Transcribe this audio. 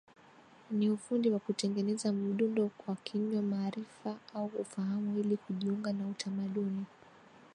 ni ufundi wa kutengeneza mdundo kwa kinywa maarifa au ufahamu ili kujiunga na Utamaduni